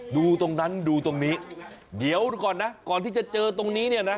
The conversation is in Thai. ดูตรงนั้นดูตรงนี้เดี๋ยวก่อนนะก่อนที่จะเจอตรงนี้เนี่ยนะ